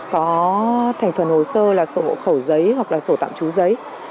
có thành phần hồ sơ là sổ hộ khẩu giấy hoặc là sổ tạm trú giấy